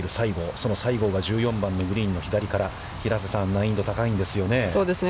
その西郷が１４番のグリーン、平瀬さん、難易度が高いですね。